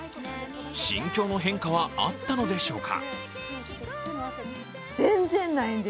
心境の変化はあったのでしょうか。